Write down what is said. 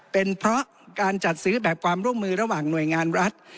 เป็นเพราะการจัดซื้อแบบความร่วมมือระหว่างหน่วยงานรัฐ